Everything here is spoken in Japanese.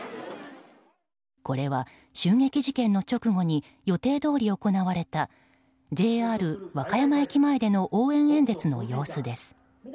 これは襲撃事件の直後に予定どおり行われたＪＲ和歌山駅前での応援演説の様子です。